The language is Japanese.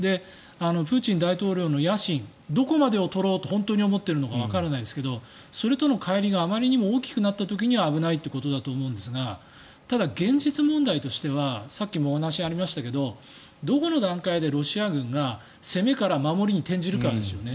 プーチン大統領の野心どこまでを取ろうとしているのかわかりませんけどそれとのかい離があまりにも大きくなった時に危ないということだと思うんですがただ、現実問題としてはさっきもお話がありましたがどこの段階でロシア軍が攻めから守りに転じるかですよね。